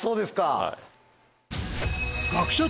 はい。